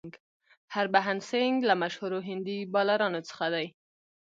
هربهن سنګ له مشهورو هندي بالرانو څخه دئ.